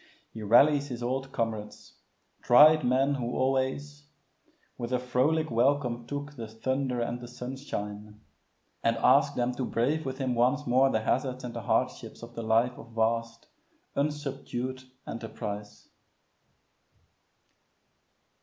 He rallies his old comrades tried men who always "With a frolic welcome took The thunder and the sunshine" and asks them to brave with him once more the hazards and the hardships of the life of vast; unsubdued enterprise.